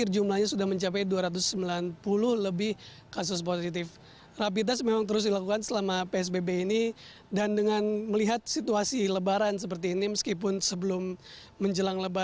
jalan asia afrika